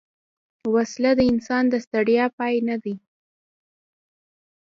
وسله د انسان د ستړیا پای نه ده